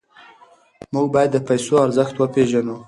موږ باید د پیسو ارزښت وپېژنو.